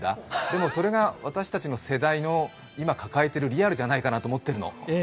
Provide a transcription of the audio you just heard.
でもそれが私たちの世代の今抱えているリアルじゃないかなと思ってるの。